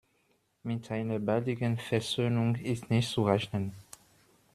Mit einer baldigen Versöhnung ist nicht zu rechnen.